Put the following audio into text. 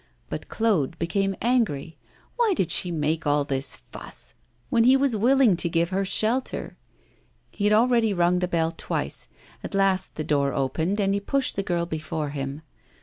But Claude became angry. Why did she make all this fuss, when he was willing to give her shelter? He had already rung the bell twice. At last the door opened and he pushed the girl before him.